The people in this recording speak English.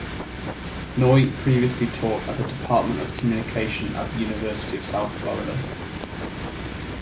Noy previously taught at the Department of Communication at the University of South Florida.